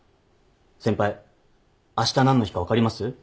先輩あした何の日か分かります？